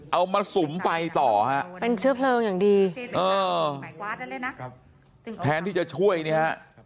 เอามาสุ่มไฟต่อแทนที่จะช่วยเนี่ย